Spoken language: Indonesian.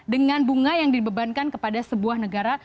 dengan bunga yang dibebankan kepada sebuah negara